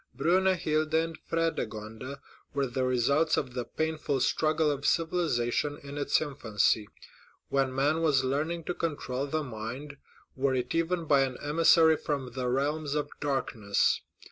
Brunhilda and Fredegund were the results of the painful struggle of civilization in its infancy, when man was learning to control mind, were it even by an emissary from the realms of darkness.